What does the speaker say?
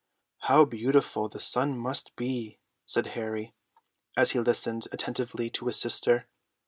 "How beautiful the sun must be!" said Harry, as he listened attentively to his sister.